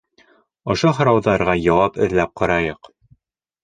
Ошо һорауҙарға яуап эҙләп ҡарайыҡ.